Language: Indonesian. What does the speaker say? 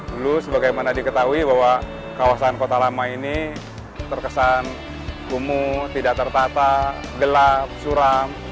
dulu sebagaimana diketahui bahwa kawasan kota lama ini terkesan kumuh tidak tertata gelap suram